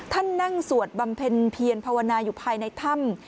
ท่านนั่งสวดบำเพ็ญเพียรภาวนาอยู่ภายในถ้ำ